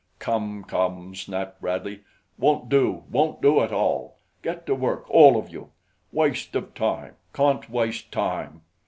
"Come! Come!" snapped Bradley. "Won't do. Won't do at all. Get to work, all of you. Waste of time. Can't waste time."